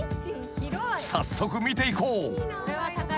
［早速見ていこう］